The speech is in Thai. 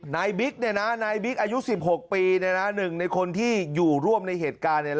นายบิ๊กเนี่ยนะนายบิ๊กอายุ๑๖ปีนะนะหนึ่งในคนที่อยู่ร่วมในเหตุการณ์เนี่ย